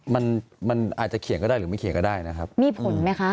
มันมันอาจจะเขียนก็ได้หรือไม่เขียนก็ได้นะครับมีผลไหมคะ